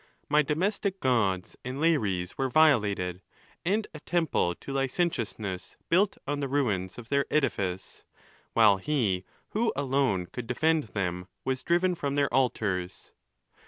My domestic gods and lares were violated, and a temple to licentiousness built on the ruins of their edifice; while he who alone could defend them was driven from their altars.